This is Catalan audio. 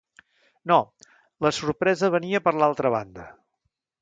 No, la sorpresa venia per l'altra banda.